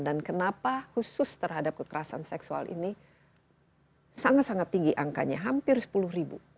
dan kenapa khusus terhadap kekerasan seksual ini sangat sangat tinggi angkanya hampir sepuluh ribu